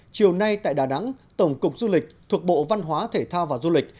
chiều nay tại đà nẵng tổng cục du lịch thuộc bộ văn hóa thể thao và du lịch